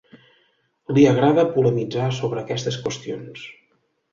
Li agrada polemitzar sobre aquestes qüestions.